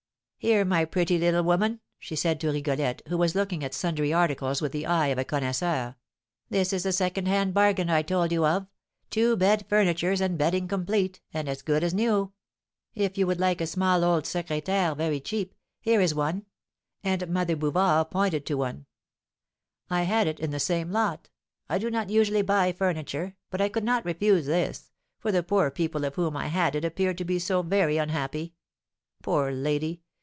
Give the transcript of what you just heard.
"Here, my pretty little woman," she said to Rigolette, who was looking at sundry articles with the eye of a connoisseur, "this is the second hand bargain I told you of: two bed furnitures and bedding complete, and as good as new. If you would like a small old secrétaire very cheap, here is one (and Mother Bouvard pointed to one). I had it in the same lot. I do not usually buy furniture, but I could not refuse this, for the poor people of whom I had it appeared to be so very unhappy! Poor lady!